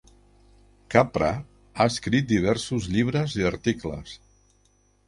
Capra ha escrit diversos llibres i articles.